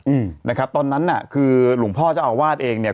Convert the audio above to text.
อืมนะครับตอนนั้นน่ะคือหลวงพ่อเจ้าอาวาสเองเนี้ย